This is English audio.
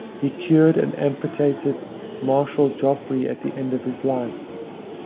He cured and amputated Marshal Joffre at the end of his life.